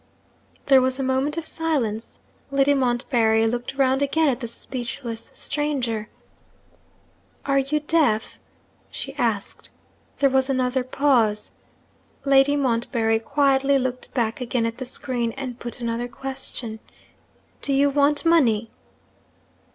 There was a moment of silence. Lady Montbarry looked round again at the speechless stranger. 'Are you deaf?' she asked. There was another pause. Lady Montbarry quietly looked back again at the screen, and put another question. 'Do you want money?'